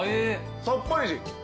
さっぱり。